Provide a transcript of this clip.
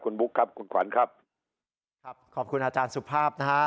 คุณบุ๊คครับคุณขวัญครับครับขอบคุณอาจารย์สุภาพนะฮะ